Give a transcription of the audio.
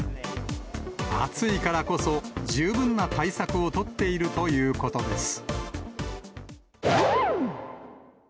暑いからこそ、十分な対策を取っているということです。